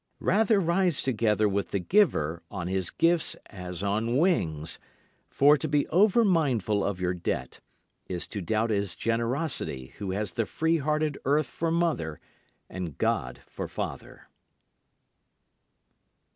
Rather rise together with the giver on his gifts as on wings; For to be overmindful of your debt, is ito doubt his generosity who has the freehearted earth for mother, and God for father.